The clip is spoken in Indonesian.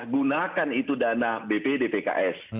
gunakan itu dana bpdpks